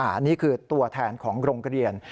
อันนี้คือตัวแทนของโรงเรียน